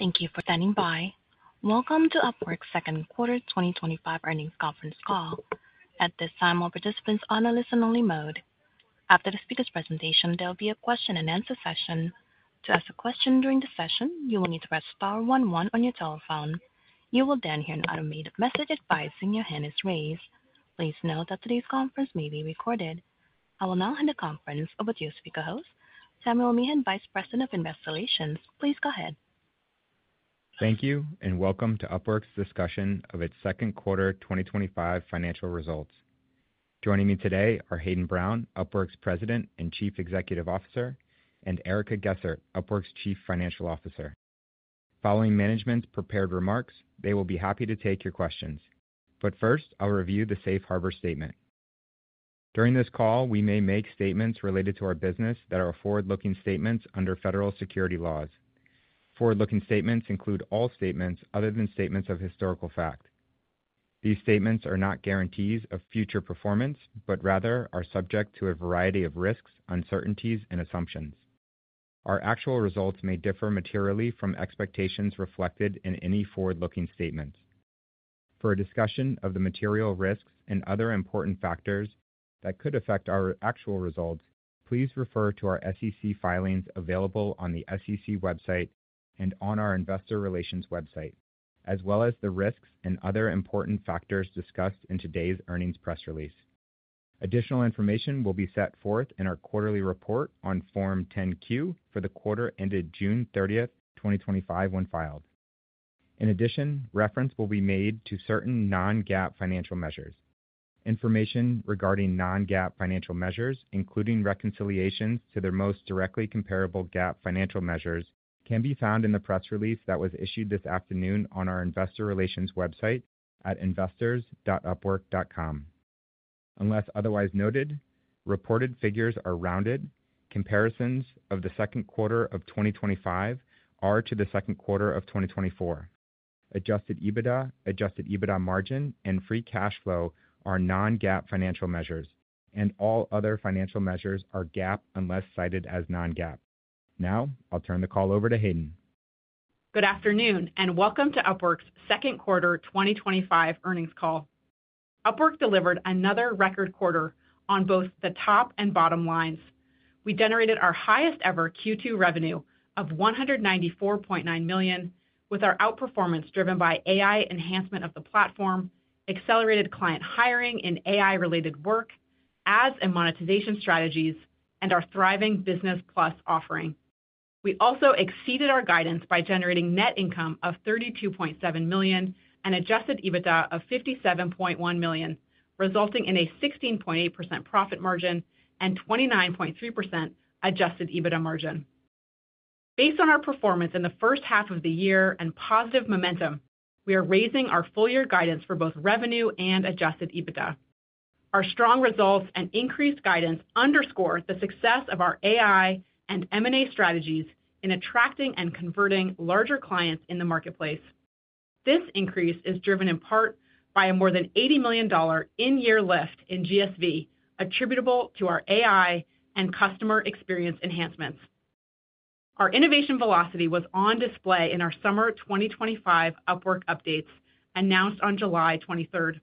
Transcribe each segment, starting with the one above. Thank you for attending. Welcome to Upwork's Second Quarter 2025 Earnings Conference Call. At this time, all participants are on a listen-only mode. After the speaker's presentation, there will be a question and answer session. To ask a question during the session, you will need to press star one one on your telephone. You will then hear an automated message advising your hand is raised. Please note that today's conference may be recorded. I will now hand the conference over to your speaker host, Samuel Meehan, Vice President of Investor Relations. Please go ahead. Thank you and welcome to Upwork's discussion of its second quarter 2025 financial results. Joining me today are Hayden Brown, Upwork's President and Chief Executive Officer, and Erica Gessert, Upwork's Chief Financial Officer. Following management's prepared remarks, they will be happy to take your questions. First, I'll review the safe harbor statement. During this call, we may make statements related to our business that are forward-looking statements under federal securities laws. Forward-looking statements include all statements other than statements of historical fact. These statements are not guarantees of future performance, but rather are subject to a variety of risks, uncertainties, and assumptions. Our actual results may differ materially from expectations reflected in any forward-looking statements. For a discussion of the material risks and other important factors that could affect our actual results, please refer to our SEC filings available on the SEC website and on our investor relations website, as well as the risks and other important factors discussed in today's earnings press release. Additional information will be set forth in our quarterly report on Form 10-Q for the quarter ended June 30th, 2025, when filed. In addition, reference will be made to certain non-GAAP financial measures. Information regarding non-GAAP financial measures, including reconciliations to their most directly comparable GAAP financial measures, can be found in the press release that was issued this afternoon on our investor relations website at investors.upwork.com. Unless otherwise noted, reported figures are rounded. Comparisons of the second quarter of 2025 are to the second quarter of 2024. Adjusted EBITDA, adjusted EBITDA margin, and free cash flow are non-GAAP financial measures, and all other financial measures are GAAP unless cited as non-GAAP. Now, I'll turn the call over to Hayden. Good afternoon and welcome to Upwork's second quarter 2025 earnings call. Upwork delivered another record quarter on both the top and bottom lines. We generated our highest ever Q2 revenue of $194.9 million, with our out performance driven by AI enhancement of the platform, accelerated client hiring in AI-related work, ads and monetization strategies, and our thriving Business Plus offering. We also exceeded our guidance by generating net income of $32.7 million and adjusted EBITDA of $57.1 million, resulting in a 16.8% profit margin and 29.3% adjusted EBITDA margin. Based on our performance in the first half of the year and positive momentum, we are raising our full-year guidance for both revenue and adjusted EBITDA. Our strong results and increased guidance underscore the success of our AI and M&A strategies in attracting and converting larger clients in the marketplace. This increase is driven in part by a more than $80 million in-year lift in GSV, attributable to our AI and customer experience enhancements. Our innovation velocity was on display in our summer 2025 Upwork updates, announced on July 23rd.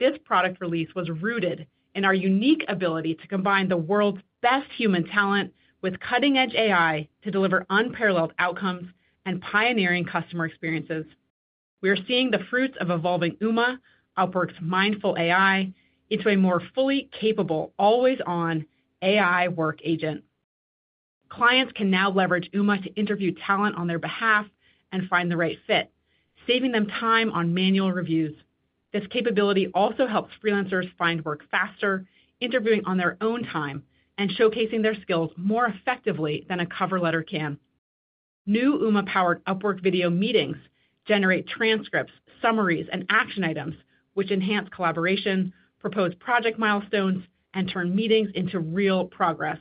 This product release was rooted in our unique ability to combine the world's best human talent with cutting-edge AI to deliver unparalleled outcomes and pioneering customer experiences. We are seeing the fruits of evolving Uma, Upwork's mindful AI, into a more fully capable, always-on AI work agent. Clients can now leverage Uma to interview talent on their behalf and find the right fit, saving them time on manual reviews. This capability also helps freelancers find work faster, interviewing on their own time, and showcasing their skills more effectively than a cover letter can. New Uma-powered Upwork video meetings generate transcripts, summaries, and action items, which enhance collaboration, propose project milestones, and turn meetings into real progress.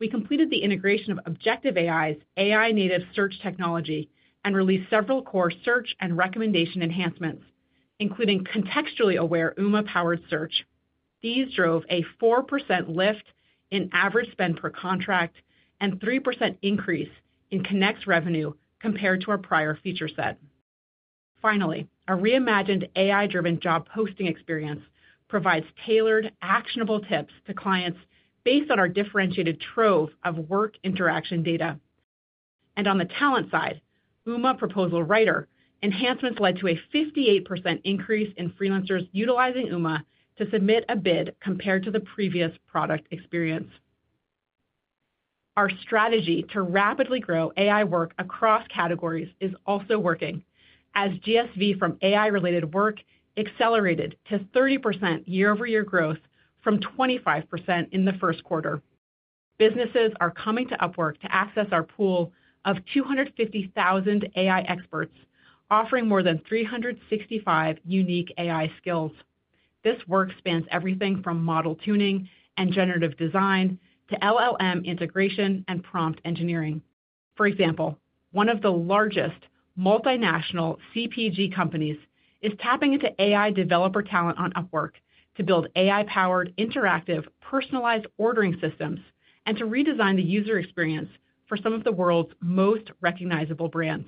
We completed the integration of Objective AI's AI-native search technology and released several core search and recommendation enhancements, including contextually aware Uma-powered search. These drove a 4% lift in average spend per contract and a 3% increase in connect revenue compared to our prior feature set. Finally, a reimagined AI-driven job posting experience provides tailored, actionable tips to clients based on our differentiated trove of work interaction data. On the talent side, Uma proposal writer enhancements led to a 58% increase in freelancers utilizing Uma to submit a bid compared to the previous product experience. Our strategy to rapidly grow AI work across categories is also working, as GSV from AI-related work accelerated to 30% year-over-year growth from 25% in the first quarter. Businesses are coming to Upwork to access our pool of 250,000 AI experts offering more than 365 unique AI skills. This work spans everything from model tuning and generative design to LLM integration and prompt engineering. For example, one of the largest multinational CPG companies is tapping into AI developer talent on Upwork to build AI-powered interactive personalized ordering systems and to redesign the user experience for some of the world's most recognizable brands.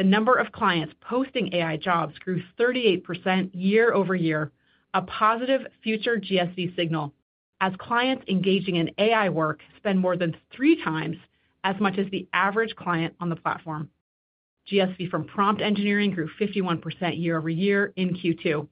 The number of clients posting AI jobs grew 38% year-over-year, a positive future GSV signal, as clients engaging in AI work spend more than three times as much as the average client on the platform. GSV from prompt engineering grew 51% year over year in Q2.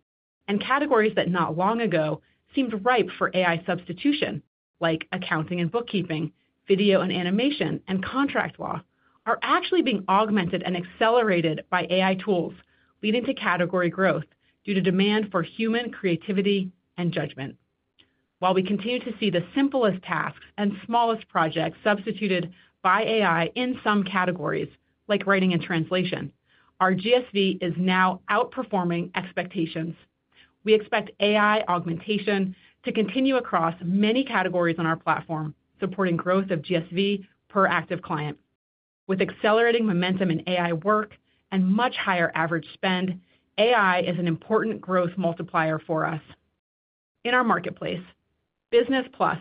Categories that not long ago seemed ripe for AI substitution, like accounting and bookkeeping, video and animation, and contract law, are actually being augmented and accelerated by AI tools, leading to category growth due to demand for human creativity and judgment. While we continue to see the simplest tasks and smallest projects substituted by AI in some categories, like writing and translation, our GSV is now outperforming expectations. We expect AI augmentation to continue across many categories on our platform, supporting growth of GSV per active client. With accelerating momentum in AI work and much higher average spend, AI is an important growth multiplier for us. In our marketplace, Business Plus,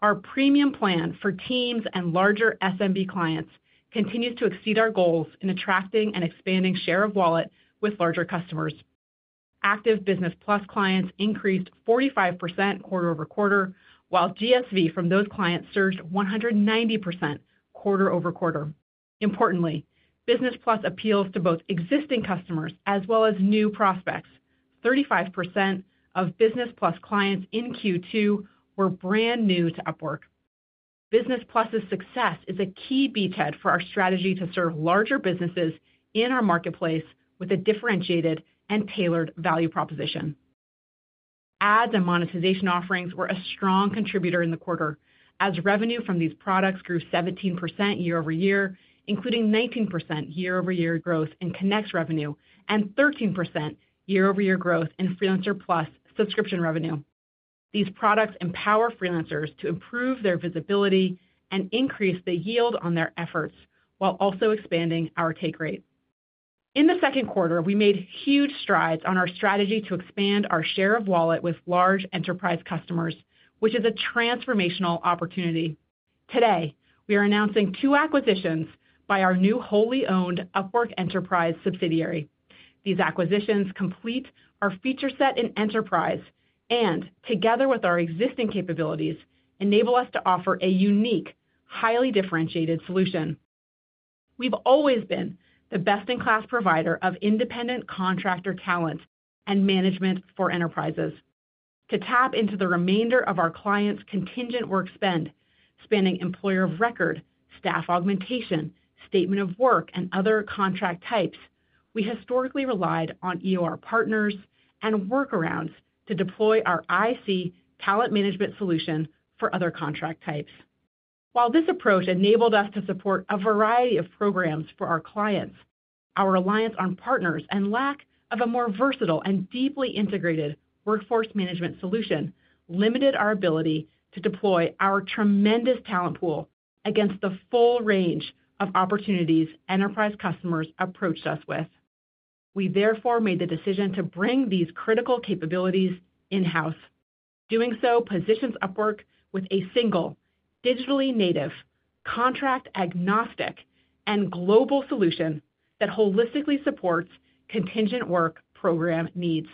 our premium plan for teams and larger SMB clients, continues to exceed our goals in attracting and expanding share of wallet with larger customers. Active Business Plus clients increased 45% quarter over quarter, while GSV from those clients surged 190% quarter over quarter. Importantly, Business Plus appeals to both existing customers as well as new prospects. 35% of Business Plus clients in Q2 were brand new to Upwork. Business Plus's success is a key beachhead for our strategy to serve larger businesses in our marketplace with a differentiated and tailored value proposition. Ads and monetization offerings were a strong contributor in the quarter, as revenue from these products grew 17% year-over-year, including 19% year-over-year growth in connects revenue and 13% year-over-year growth in Freelancer Plus subscription revenue. These products empower freelancers to improve their visibility and increase the yield on their efforts while also expanding our take rate. In the second quarter, we made huge strides on our strategy to expand our share of wallet with large enterprise customers, which is a transformational opportunity. Today, we are announcing two acquisitions by our new wholly owned Upwork Enterprise subsidiary. These acquisitions complete our feature set in Enterprise and, together with our existing capabilities, enable us to offer a unique, highly differentiated solution. We've always been the best-in-class provider of independent contractor talent and management for enterprises. To tap into the remainder of our clients' contingent work spend, spanning employer of record, staff augmentation, statement of work, and other contract types, we historically relied on EOR partners and workarounds to deploy our IC talent management solution for other contract types. While this approach enabled us to support a variety of programs for our clients, our reliance on partners and lack of a more versatile and deeply integrated workforce management solution limited our ability to deploy our tremendous talent pool against the full range of opportunities enterprise customers approached us with. We therefore made the decision to bring these critical capabilities in-house. Doing so positions Upwork with a single, digitally native, contract-agnostic, and global solution that holistically supports contingent work program needs.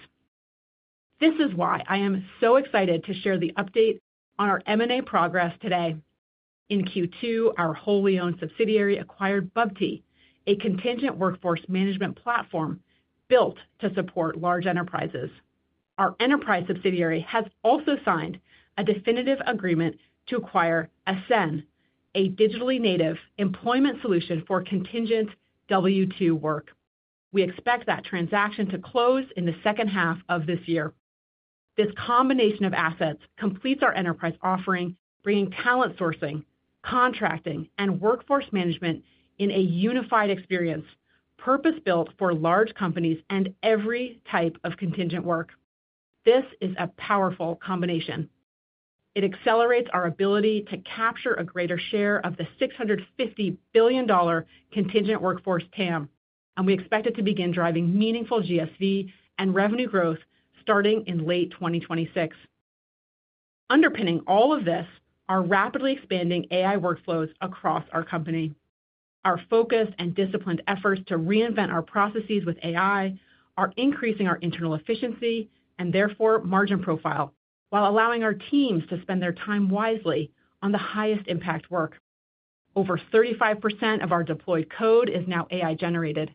This is why I am so excited to share the update on our M&A progress today. In Q2, our wholly owned subsidiary acquired Bubty, a contingent workforce management platform built to support large enterprises. Our enterprise subsidiary has also signed a definitive agreement to acquire Ascen, a digitally native employment solution for contingent W-2 work. We expect that transaction to close in the second half of this year. This combination of assets completes our enterprise offering, bringing talent sourcing, contracting, and workforce management in a unified experience, purpose-built for large companies and every type of contingent work. This is a powerful combination. It accelerates our ability to capture a greater share of the $650 billion contingent workforce TAM, and we expect it to begin driving meaningful GSV and revenue growth starting in late 2026. Underpinning all of this are rapidly expanding AI workflows across our company. Our focused and disciplined efforts to reinvent our processes with AI are increasing our internal efficiency and therefore margin profile, while allowing our teams to spend their time wisely on the highest impact work. Over 35% of our deployed code is now AI-generated,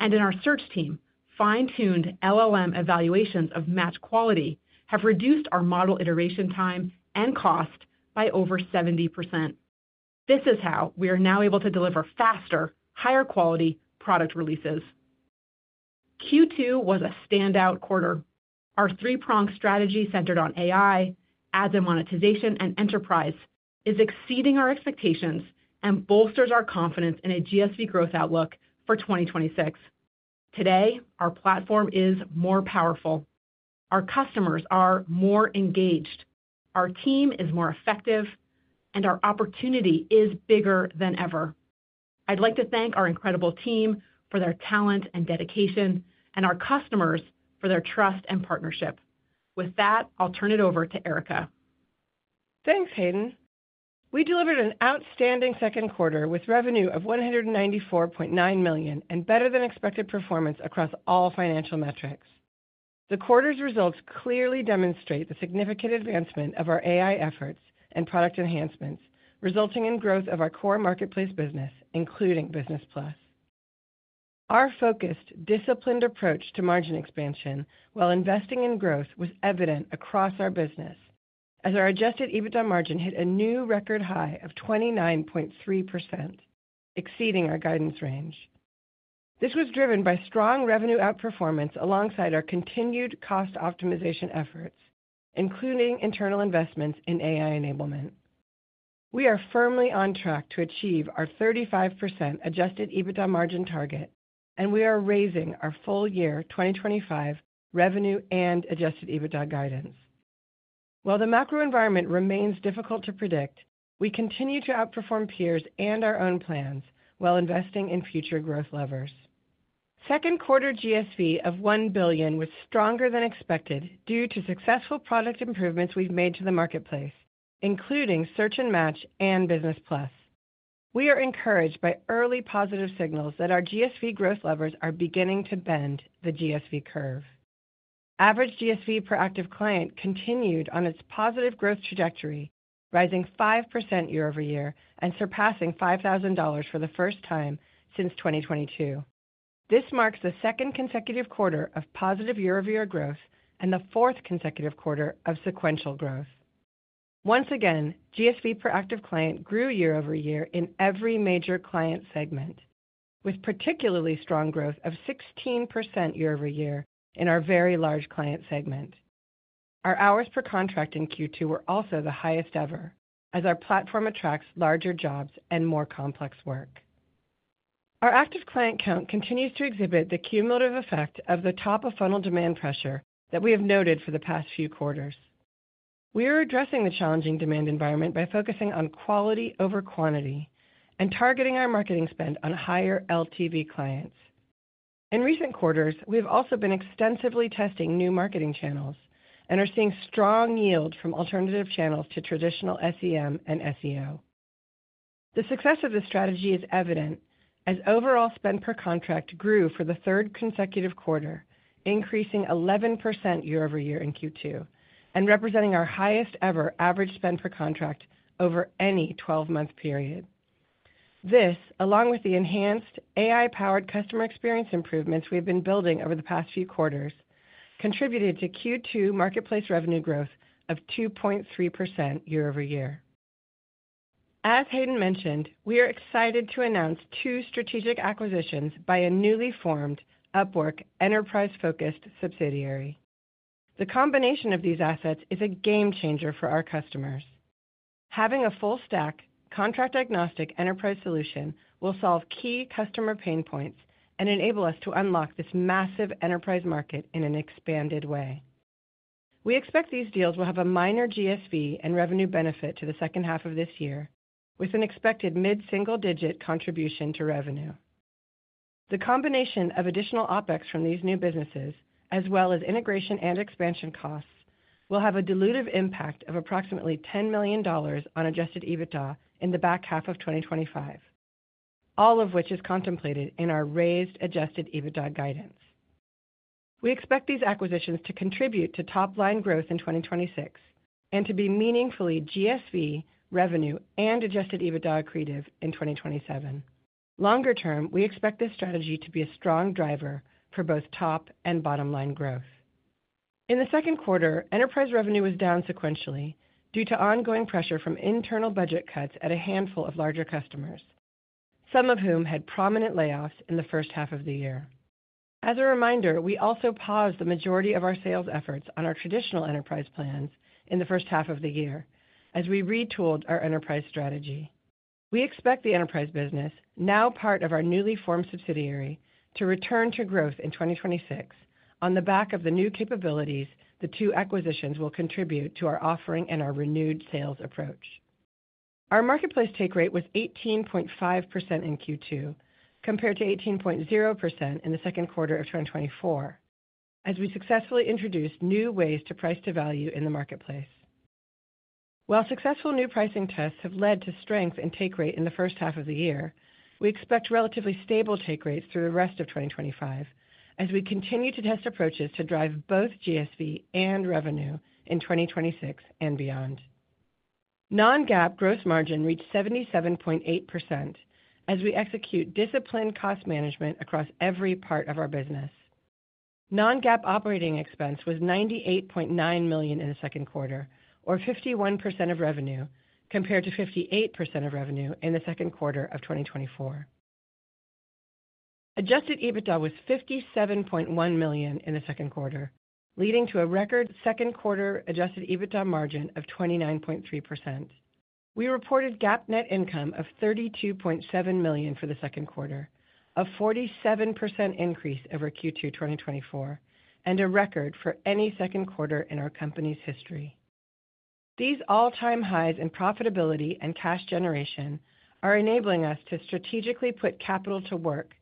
and in our search team, fine-tuned LLM evaluations of match quality have reduced our model iteration time and cost by over 70%. This is how we are now able to deliver faster, higher quality product releases. Q2 was a standout quarter. Our three-prong strategy centered on AI, ads and monetization, and enterprise is exceeding our expectations and bolsters our confidence in a GSV growth outlook for 2026. Today, our platform is more powerful. Our customers are more engaged. Our team is more effective, and our opportunity is bigger than ever. I'd like to thank our incredible team for their talent and dedication and our customers for their trust and partnership. With that, I'll turn it over to Erica. Thanks, Hayden. We delivered an outstanding second quarter with revenue of $194.9 million and better-than-expected performance across all financial metrics. The quarter's results clearly demonstrate the significant advancement of our AI efforts and product enhancements, resulting in growth of our core marketplace business, including Business Plus. Our focused, disciplined approach to margin expansion while investing in growth was evident across our business, as our adjusted EBITDA margin hit a new record high of 29.3%, exceeding our guidance range. This was driven by strong revenue outperformance alongside our continued cost optimization efforts, including internal investments in AI enablement. We are firmly on track to achieve our 35% adjusted EBITDA margin target, and we are raising our full-year 2025 revenue and adjusted EBITDA guidance. While the macro environment remains difficult to predict, we continue to outperform peers and our own plans while investing in future growth levers. Second quarter GSV of $1 billion was stronger than expected due to successful product improvements we've made to the marketplace, including search and match and Business Plus. We are encouraged by early positive signals that our GSV growth levers are beginning to bend the GSV curve. Average GSV per active client continued on its positive growth trajectory, rising 5% year-over-year and surpassing $5,000 for the first time since 2022. This marks the second consecutive quarter of positive year-over-year growth and the fourth consecutive quarter of sequential growth. Once again, GSV per active client grew year-over-year in every major client segment, with particularly strong growth of 16% year-over-year in our very large client segment. Our hours per contract in Q2 were also the highest ever, as our platform attracts larger jobs and more complex work. Our active client count continues to exhibit the cumulative effect of the top-of-funnel demand pressure that we have noted for the past few quarters. We are addressing the challenging demand environment by focusing on quality over quantity and targeting our marketing spend on higher LTV clients. In recent quarters, we have also been extensively testing new marketing channels and are seeing strong yield from alternative channels to traditional SEM and SEO. The success of this strategy is evident, as overall spend per contract grew for the third consecutive quarter, increasing 11% year-over-year in Q2 and representing our highest ever average spend per contract over any 12-month period. This, along with the enhanced AI-powered customer experience improvements we have been building over the past few quarters, contributed to Q2 marketplace revenue growth of 2.3% year-over-year. As Hayden mentioned, we are excited to announce two strategic acquisitions by a newly formed Upwork Enterprise-focused subsidiary. The combination of these assets is a game changer for our customers. Having a full stack contract-agnostic enterprise solution will solve key customer pain points and enable us to unlock this massive enterprise market in an expanded way. We expect these deals will have a minor GSV and revenue benefit to the second half of this year, with an expected mid-single-digit contribution to revenue. The combination of additional OpEx from these new businesses, as well as integration and expansion costs, will have a dilutive impact of approximately $10 million on adjusted EBITDA in the back half of 2025, all of which is contemplated in our raised adjusted EBITDA guidance. We expect these acquisitions to contribute to top-line growth in 2026 and to be meaningfully GSV, revenue, and adjusted EBITDA accretive in 2027. Longer term, we expect this strategy to be a strong driver for both top and bottom-line growth. In the second quarter, enterprise revenue was down sequentially due to ongoing pressure from internal budget cuts at a handful of larger customers, some of whom had prominent layoffs in the first half of the year. As a reminder, we also paused the majority of our sales efforts on our traditional enterprise plans in the first half of the year as we retooled our enterprise strategy. We expect the enterprise business, now part of our newly formed subsidiary, to return to growth in 2026 on the back of the new capabilities the two acquisitions will contribute to our offering and our renewed sales approach. Our marketplace take rate was 18.5% in Q2, compared to 18.0% in the second quarter of 2024, as we successfully introduced new ways to price to value in the marketplace. While successful new pricing tests have led to strength in take rate in the first half of the year, we expect relatively stable take rates through the rest of 2025, as we continue to test approaches to drive both GSV and revenue in 2026 and beyond. Non-GAAP gross margin reached 77.8% as we execute disciplined cost management across every part of our business. Non-GAAP operating expense was $98.9 million in the second quarter, or 51% of revenue, compared to 58% of revenue in the second quarter of 2024. Adjusted EBITDA was $57.1 million in the second quarter, leading to a record second quarter adjusted EBITDA margin of 29.3%. We reported GAAP net income of $32.7 million for the second quarter, a 47% increase over Q2 2024, and a record for any second quarter in our company's history. These all-time highs in profitability and cash generation are enabling us to strategically put capital to work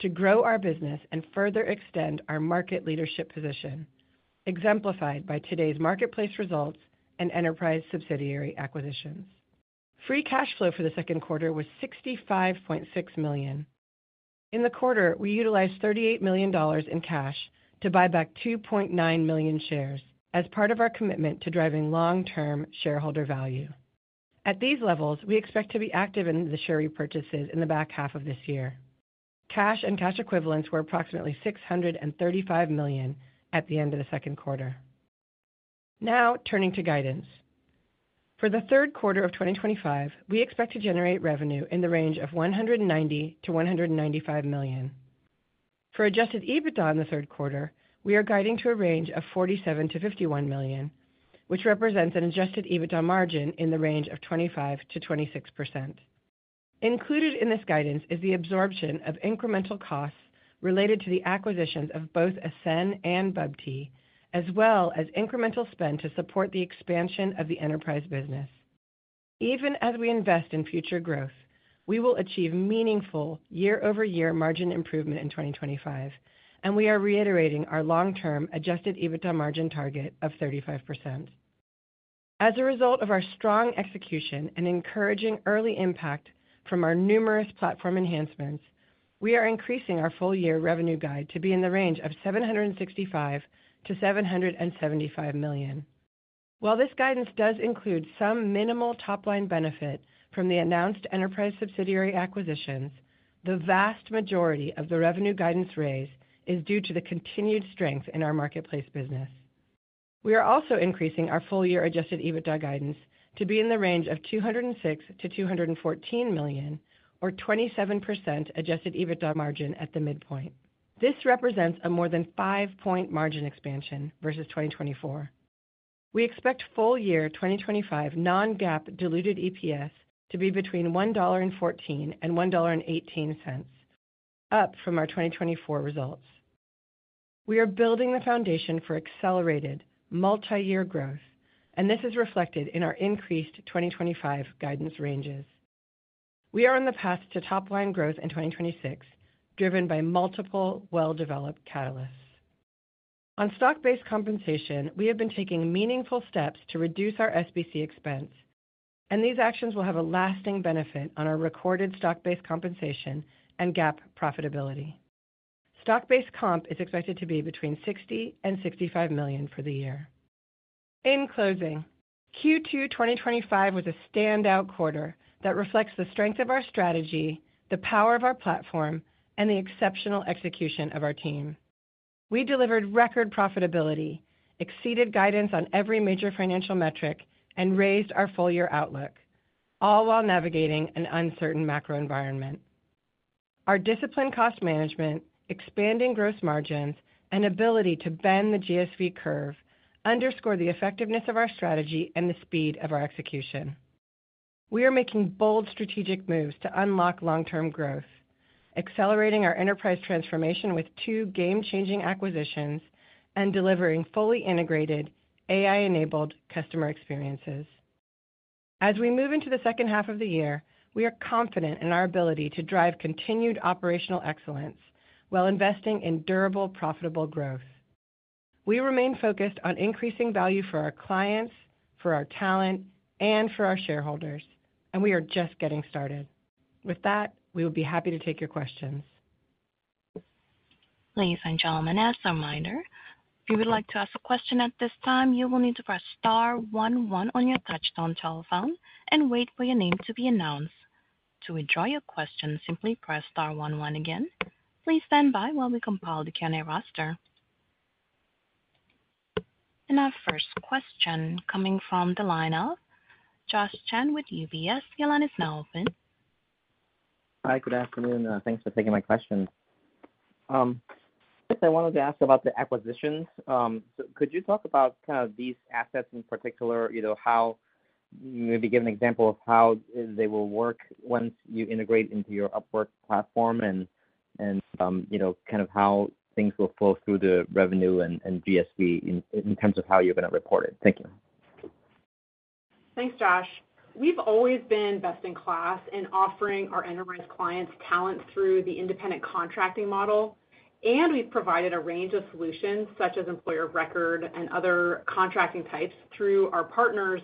to grow our business and further extend our market leadership position, exemplified by today's marketplace results and enterprise subsidiary acquisitions. Free cash flow for the second quarter was $65.6 million. In the quarter, we utilized $38 million in cash to buy back 2.9 million shares as part of our commitment to driving long-term shareholder value. At these levels, we expect to be active in the share repurchases in the back half of this year. Cash and cash equivalents were approximately $635 million at the end of the second quarter. Now, turning to guidance. For the third quarter of 2025, we expect to generate revenue in the range of $190 million-$195 million. For adjusted EBITDA in the third quarter, we are guiding to a range of $47 million-$51 million, which represents an adjusted EBITDA margin in the range of 25%-26%. Included in this guidance is the absorption of incremental costs related to the acquisitions of both Ascen and Bubty, as well as incremental spend to support the expansion of the enterprise business. Even as we invest in future growth, we will achieve meaningful year-over-year margin improvement in 2025, and we are reiterating our long-term adjusted EBITDA margin target of 35%. As a result of our strong execution and encouraging early impact from our numerous platform enhancements, we are increasing our full-year revenue guide to be in the range of $765 million-$775 million. While this guidance does include some minimal top-line benefit from the announced enterprise subsidiary acquisitions, the vast majority of the revenue guidance raised is due to the continued strength in our marketplace business. We are also increasing our full-year adjusted EBITDA guidance to be in the range of $206 million-$214 million, or 27% adjusted EBITDA margin at the midpoint. This represents a more than 5-point margin expansion versus 2024. We expect full-year 2025 non-GAAP diluted EPS to be between $1.14 and $1.18, up from our 2024 results. We are building the foundation for accelerated multi-year growth, and this is reflected in our increased 2025 guidance ranges. We are on the path to top-line growth in 2026, driven by multiple well-developed catalysts. On stock-based compensation, we have been taking meaningful steps to reduce our SBC expense, and these actions will have a lasting benefit on our recorded stock-based compensation and GAAP profitability. Stock-based comp is expected to be between $60 million and $65 million for the year. In closing, Q2 2025 was a standout quarter that reflects the strength of our strategy, the power of our platform, and the exceptional execution of our team. We delivered record profitability, exceeded guidance on every major financial metric, and raised our full-year outlook, all while navigating an uncertain macro environment. Our disciplined cost management, expanding gross margins, and ability to bend the GSV curve underscore the effectiveness of our strategy and the speed of our execution. We are making bold strategic moves to unlock long-term growth, accelerating our enterprise transformation with two game-changing acquisitions and delivering fully integrated, AI-enabled customer experiences. As we move into the second half of the year, we are confident in our ability to drive continued operational excellence while investing in durable, profitable growth. We remain focused on increasing value for our clients, for our talent, and for our shareholders, and we are just getting started. With that, we will be happy to take your questions. Ladies and gentlemen, as a reminder, if you would like to ask a question at this time, you will need to press star one one on your touch-tone telephone and wait for your name to be announced. To withdraw your question, simply press star one one again. Please stand by while we compile the Q&A roster. Our first question is coming from the line of Josh Chan with UBS. The line is now open. Hi, good afternoon. Thanks for taking my question. I wanted to ask about the acquisition. Could you talk about kind of these assets in particular, you know, maybe give an example of how they will work once you integrate into your Upwork platform, and you know, kind of how things will flow through the revenue and GSV in terms of how you're going to report it. Thank you. Thanks, Josh. We've always been best in class in offering our enterprise clients talent through the independent contracting model, and we've provided a range of solutions such as employer of record and other contracting types through our partners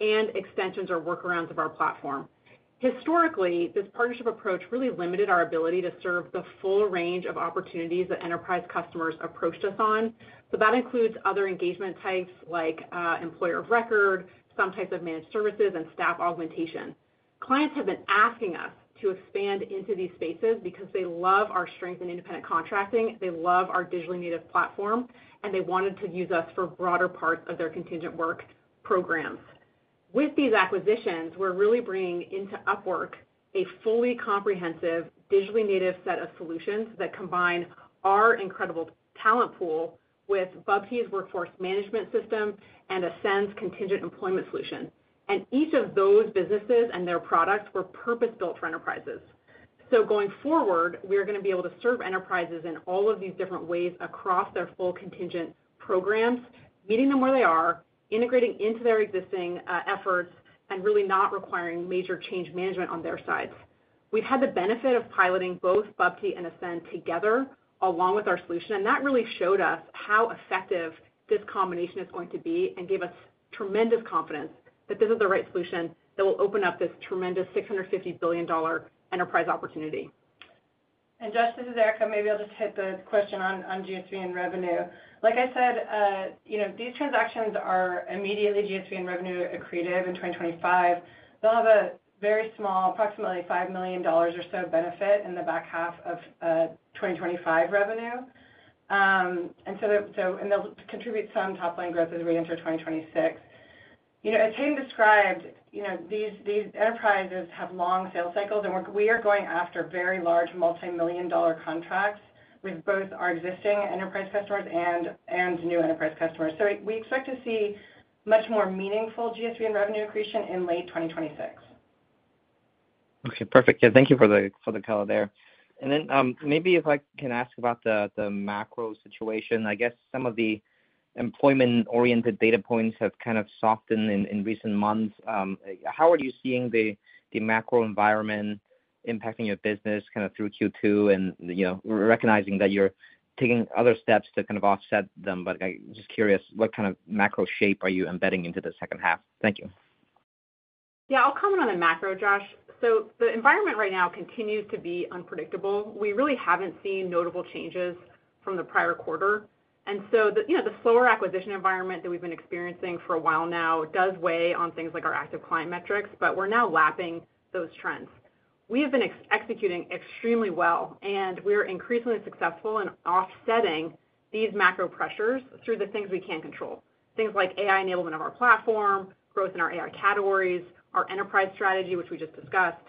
and extensions or workarounds of our platform. Historically, this partnership approach really limited our ability to serve the full range of opportunities that enterprise customers approached us on. That includes other engagement types like employer of record, some types of managed services, and staff augmentation. Clients have been asking us to expand into these spaces because they love our strength in independent contracting. They love our digitally native platform, and they wanted to use us for a broader part of their contingent work programs. With these acquisitions, we're really bringing into Upwork a fully comprehensive, digitally native set of solutions that combine our incredible talent pool with Bubty's workforce management system and Ascen's contingent employment solution. Each of those businesses and their products were purpose-built for enterprises. Going forward, we are going to be able to serve enterprises in all of these different ways across their full contingent programs, meeting them where they are, integrating into their existing efforts, and really not requiring major change management on their sides. We've had the benefit of piloting both Bubty and Ascen together along with our solution, and that really showed us how effective this combination is going to be and gave us tremendous confidence that this is the right solution that will open up this tremendous $650 billion enterprise opportunity. Josh, this is Erica. Maybe I'll just hit the question on GSV and revenue. Like I said, these transactions are immediately GSV and revenue accretive in 2025. They'll have a very small, approximately $5 million or so benefit in the back half of 2025 revenue, and they'll contribute some top-line growth as we enter 2026. As Hayden described, these enterprises have long sales cycles and we are going after very large multimillion-dollar contracts with both our existing enterprise customers and new enterprise customers. We expect to see much more meaningful GSV and revenue accretion in late 2026. Okay, perfect. Thank you for the color there. Maybe if I can ask about the macro situation, I guess some of the employment-oriented data points have kind of softened in recent months. How are you seeing the macro environment impacting your business through Q2, and, you know, recognizing that you're taking other steps to offset them? I'm just curious, what kind of macro shape are you embedding into the second half? Thank you. Yeah, I'll comment on the macro, Josh. The environment right now continues to be unpredictable. We really haven't seen notable changes from the prior quarter. The slower acquisition environment that we've been experiencing for a while now does weigh on things like our active client metrics, but we're now lapping those trends. We have been executing extremely well, and we are increasingly successful in offsetting these macro pressures through the things we can control, things like AI enablement of our platform, growth in our AI categories, our enterprise strategy, which we just discussed.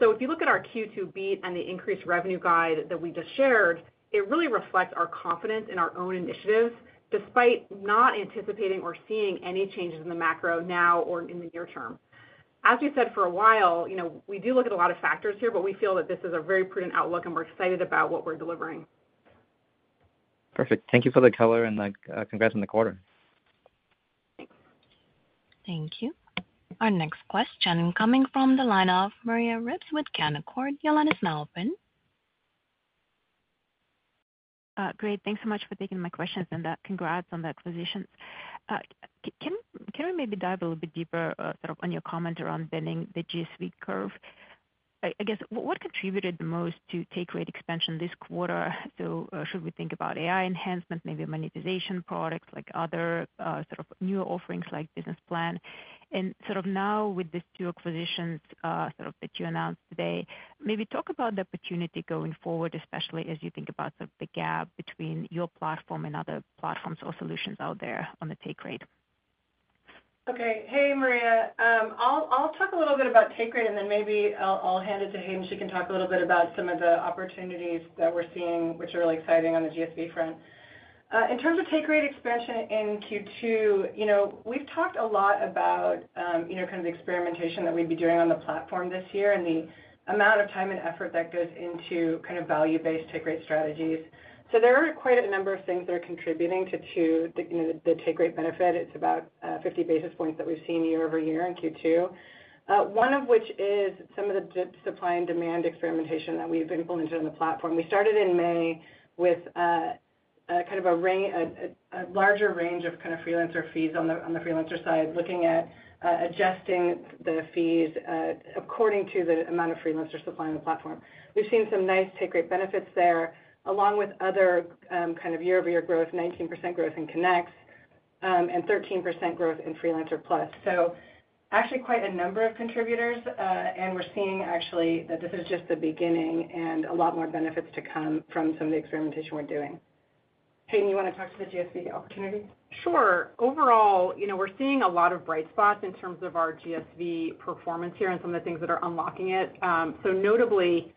If you look at our Q2 beat and the increased revenue guide that we just shared, it really reflects our confidence in our own initiatives, despite not anticipating or seeing any changes in the macro now or in the near term. As we've said for a while, we do look at a lot of factors here, but we feel that this is a very prudent outlook and we're excited about what we're delivering. Perfect. Thank you for the color, and congrats on the quarter. Thank you. Our next question coming from the line of Maria Rips with Canaccord. Your line is now open. Great. Thanks so much for taking my questions and congrats on the acquisitions. Can we maybe dive a little bit deeper on your comment around bending the GSV curve? I guess what contributed the most to take rate expansion this quarter? Should we think about AI enhancement, maybe monetization products like other new offerings like Business Plus? Now with these two acquisitions that you announced today, maybe talk about the opportunity going forward, especially as you think about the gap between your platform and other platforms or solutions out there on the take rate. Okay. Hey, Maria. I'll talk a little bit about take rate and then maybe I'll hand it to Hayden so you can talk a little bit about some of the opportunities that we're seeing, which are really exciting on the GSV front. In terms of take rate expansion in Q2, we've talked a lot about the experimentation that we'd be doing on the platform this year and the amount of time and effort that goes into value-based take rate strategies. There are quite a number of things that are contributing to the take rate benefit. It's about 50 basis points that we've seen year over year in Q2. One of which is some of the supply and demand experimentation that we've implemented on the platform. We started in May with a larger range of freelancer fees on the freelancer side, looking at adjusting the fees according to the amount of freelancers supplying the platform. We've seen some nice take rate benefits there, along with other year-over-year growth, 19% growth in connects and 13% growth in Freelancer Plus. Actually, quite a number of contributors, and we're seeing that this is just the beginning and a lot more benefits to come from some of the experimentation we're doing. Hayden, you want to talk to the GSV opportunity? Sure. Overall, we're seeing a lot of bright spots in terms of our GSV performance here and some of the things that are unlocking it. Notably,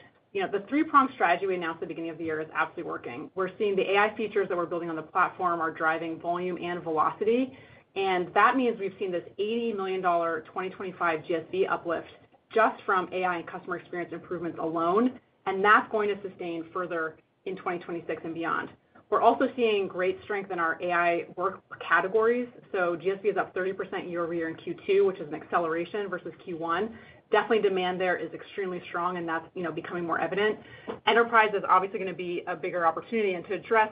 the three-prong strategy we announced at the beginning of the year is absolutely working. We're seeing the AI features that we're building on the platform are driving volume and velocity, and that means we've seen this $80 million 2025 GSV uplift just from AI and customer experience improvements alone, and that's going to sustain further in 2026 and beyond. We're also seeing great strength in our AI work categories. GSV is up 30% year-over-year in Q2, which is an acceleration versus Q1. Definitely demand there is extremely strong, and that's becoming more evident. Enterprise is obviously going to be a bigger opportunity. To address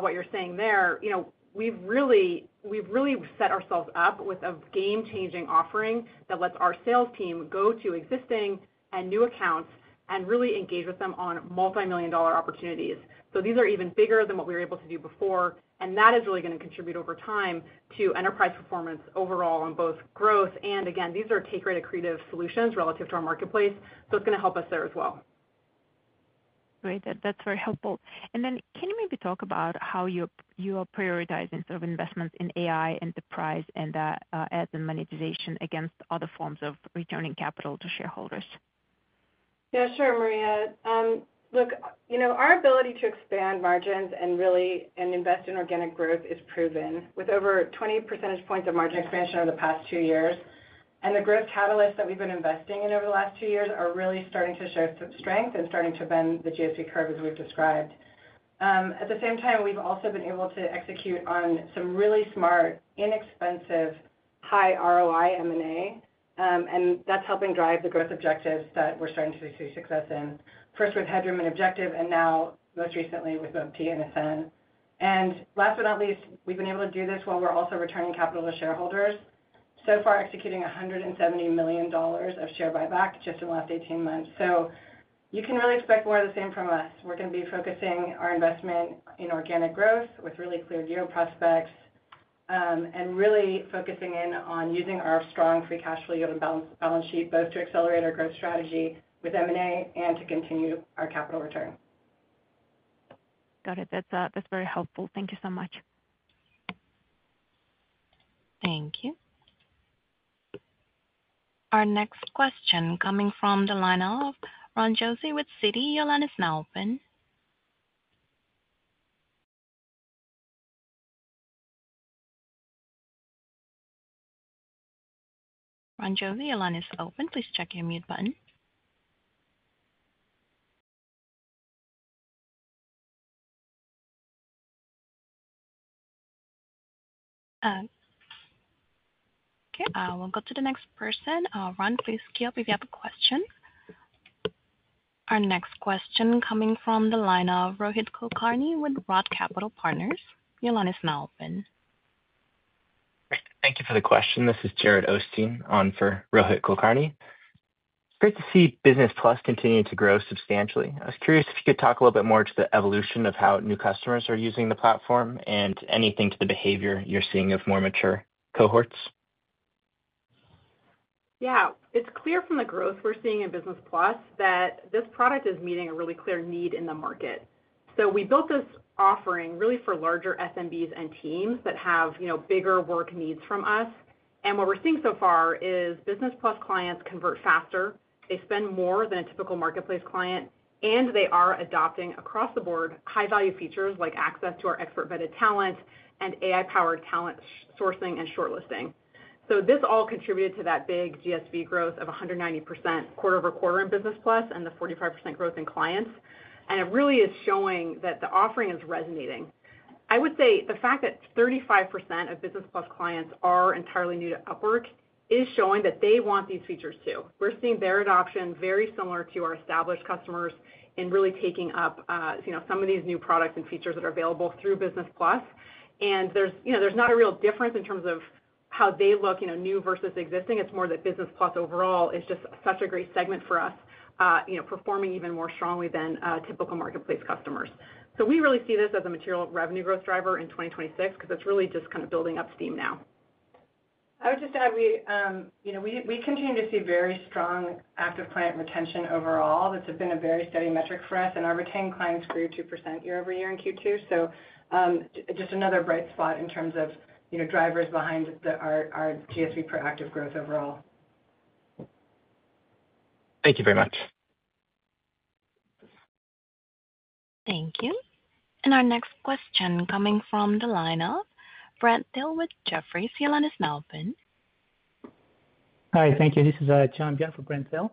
what you're saying there, we've really set ourselves up with a game-changing offering that lets our sales team go to existing and new accounts and really engage with them on multimillion-dollar opportunities. These are even bigger than what we were able to do before, and that is really going to contribute over time to enterprise performance overall on both growth and, again, these are take rate accretive solutions relative to our marketplace. It's going to help us there as well. Great. That's very helpful. Can you maybe talk about how you are prioritizing sort of investments in AI, enterprise, and the monetization against other forms of returning capital to shareholders? Yeah, sure, Maria. Look, our ability to expand margins and really invest in organic growth is proven with over 20% of margin expansion over the past two years. The growth catalysts that we've been investing in over the last two years are really starting to show some strength and starting to bend the GSV curve, as we've described. At the same time, we've also been able to execute on some really smart, inexpensive, high ROI M&A, and that's helping drive the growth objectives that we're starting to see success in. First with HedgeRoom and Objective AI, and now most recently with Bubty and Ascen. Last but not least, we've been able to do this while we're also returning capital to shareholders. So far, executing $170 million of share buyback just in the last 18 months. You can really expect more of the same from us. We're going to be focusing our investment in organic growth with really clear year prospects and really focusing in on using our strong free cash flow yield and balance sheet both to accelerate our growth strategy with M&A and to continue our capital return. Got it. That's very helpful. Thank you so much. Thank you. Our next question coming from the line of Ranjosi with Citi. Your line is now open. Ranjosi, your line is open. Please check your mute button. Okay. We'll go to the next person. Ron, please key up if you have a question. Our next question coming from the line of Rohit Kulkarni with Roth Capital Partners. Your line is now open. Thank you for the question. This is Jared Osteen on for Rohit Kulkarni. Great to see Business Plus continue to grow substantially. I was curious if you could talk a little bit more to the evolution of how new customers are using the platform and anything to the behavior you're seeing of more mature cohorts. Yeah, it's clear from the growth we're seeing in Business Plus that this product is meeting a really clear need in the market. We built this offering really for larger SMBs and teams that have, you know, bigger work needs from us. What we're seeing so far is Business Plus clients convert faster, they spend more than a typical marketplace client, and they are adopting across the board high-value features like access to our expert-vetted talent and AI-powered talent sourcing and short listing. This all contributed to that big GSV growth of 190% quarter-over-quarter in Business Plus and the 45% growth in clients. It really is showing that the offering is resonating. I would say the fact that 35% of Business Plus clients are entirely new to Upwork is showing that they want these features too. We're seeing their adoption very similar to our established customers in really taking up some of these new products and features that are available through Business Plus. There's not a real difference in terms of how they look, you know, new versus existing. It's more that Business Plus overall is just such a great segment for us, performing even more strongly than typical marketplace customers. We really see this as a material revenue growth driver in 2026 because it's really just kind of building up steam now. I would just add, we continue to see very strong active client retention overall. That's been a very steady metric for us, and our retained clients grew 2% year-over-year in Q2. Just another bright spot in terms of drivers behind our GSV proactive growth overall. Thank you very much. Thank you. Our next question is coming from the line of Brent Thill with Jefferies. Your line is now open. Hi, thank you. This is John Gill for Brent Thill.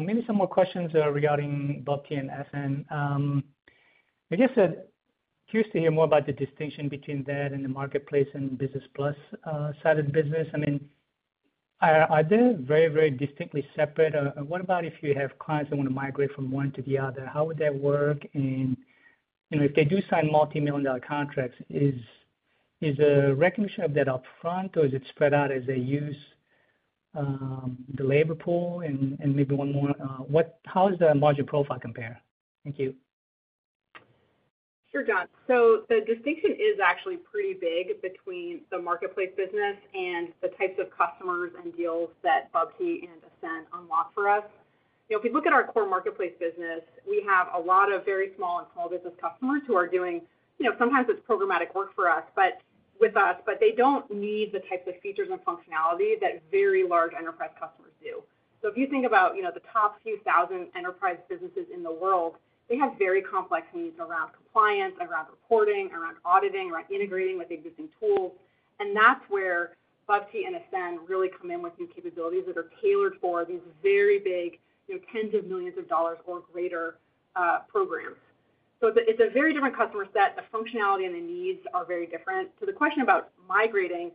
Maybe some more questions regarding Bubty and Ascen. I'm curious to hear more about the distinction between that and the marketplace and Business Plus side of the business. I mean, are they very, very distinctly separate? What about if you have clients that want to migrate from one to the other? How would that work? If they do sign multimillion-dollar contracts, is the recognition of that upfront, or is it spread out as they use the labor pool? Maybe one more, how does the margin profile compare? Thank you. Sure, John. The distinction is actually pretty big between the marketplace business and the types of customers and deals that Bubty and Ascen unlock for us. If you look at our core marketplace business, we have a lot of very small and small business customers who are doing, sometimes it's programmatic work with us, but they don't need the types of features and functionality that very large enterprise customers do. If you think about the top few thousand enterprise businesses in the world, they have very complex needs around compliance, reporting, auditing, and integrating with existing tools. That's where Bubty and Ascen really come in with new capabilities that are tailored for these very big, tens of millions of dollars or greater programs. It's a very different customer set. The functionality and the needs are very different. To the question about migrating,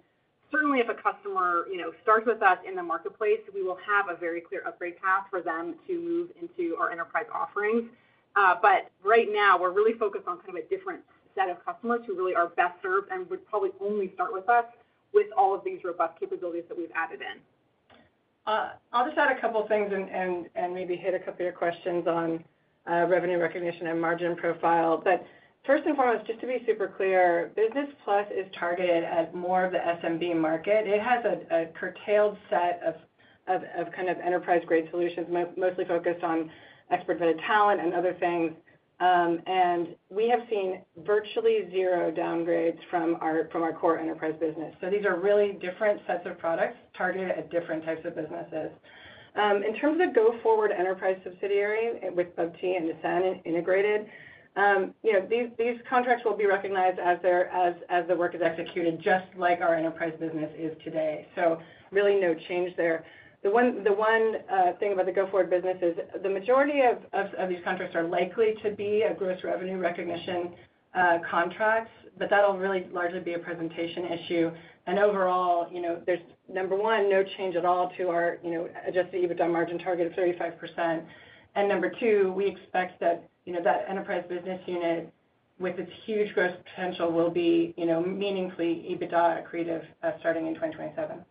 certainly if a customer starts with us in the marketplace, we will have a very clear upgrade path for them to move into our enterprise offerings. Right now, we're really focused on kind of a different set of customers who really are best served and would probably only start with us with all of these robust capabilities that we've added in. I'll just add a couple of things and maybe hit a couple of your questions on revenue recognition and margin profile. First and foremost, just to be super clear, Business Plus is targeted at more of the SMB market. It has a curtailed set of kind of enterprise-grade solutions, mostly focused on expert vetted talent and other things. We have seen virtually zero downgrades from our core enterprise business. These are really different sets of products targeted at different types of businesses. In terms of the go-forward enterprise subsidiary with Bubty and Ascen integrated, these contracts will be recognized as the work is executed just like our enterprise business is today. Really no change there. The one thing about the go-forward business is the majority of these contracts are likely to be gross revenue recognition contracts, but that'll really largely be a presentation issue. Overall, there's number one, no change at all to our adjusted EBITDA margin target of 35%. Number two, we expect that enterprise business unit with its huge growth potential will be meaningfully EBITDA accretive starting in 2027.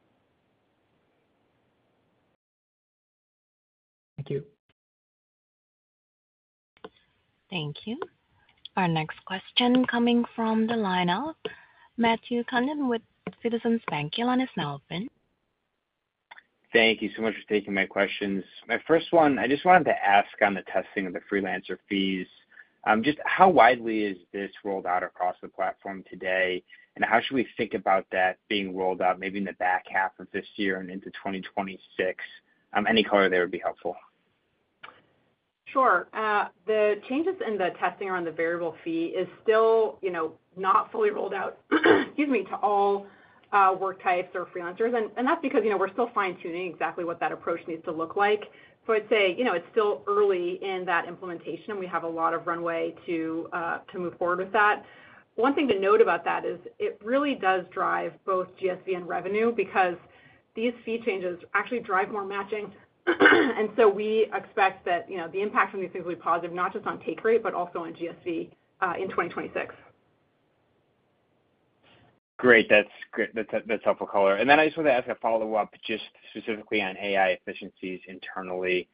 Thank you. Thank you. Our next question coming from the line of Matthew Condon with Citizens Bank. Your line is now open. Thank you so much for taking my questions. My first one, I just wanted to ask on the testing of the freelancer fees. Just how widely is this rolled out across the platform today? How should we think about that being rolled out maybe in the back half of this year and into 2026? Any color there would be helpful. The changes in the testing around the variable fee are still not fully rolled out to all work types or freelancers. That's because we're still fine-tuning exactly what that approach needs to look like. I'd say it's still early in that implementation and we have a lot of runway to move forward with that. One thing to note about that is it really does drive both GSV and revenue because these fee changes actually drive more matching. We expect that the impact from these things will be positive, not just on take rate, but also on GSV in 2026. Great. That's a helpful caller. I just want to ask a follow-up just specifically on AI efficiencies internally.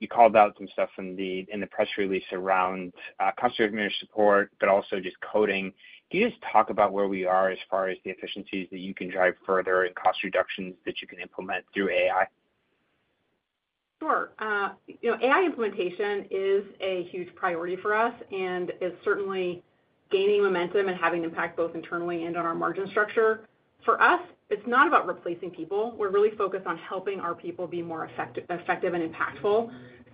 You called out some stuff in the press release around customer support, but also just coding. Can you just talk about where we are as far as the efficiencies that you can drive further and cost reductions that you can implement through AI? Sure. You know, AI implementation is a huge priority for us and is certainly gaining momentum and having an impact both internally and on our margin structure. For us, it's not about replacing people. We're really focused on helping our people be more effective and impactful.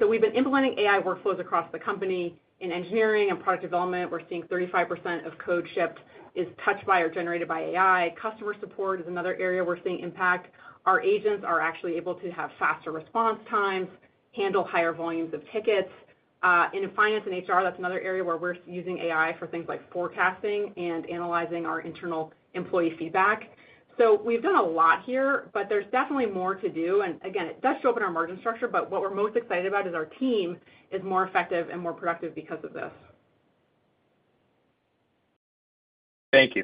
We've been implementing AI workflows across the company in engineering and product development. We're seeing 35% of code shipped is touched by or generated by AI. Customer support is another area we're seeing impact. Our agents are actually able to have faster response times, handle higher volumes of tickets. In finance and HR, that's another area where we're using AI for things like forecasting and analyzing our internal employee feedback. We've done a lot here, but there's definitely more to do. It does show up in our margin structure, but what we're most excited about is our team is more effective and more productive because of this. Thank you.